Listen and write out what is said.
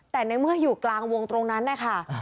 แต่ในเมื่ออยู่กลางวงตรงนั้นนะคะ